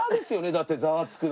だって『ザワつく！』の。